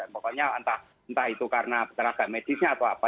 pokoknya entah itu karena tenaga medisnya atau apa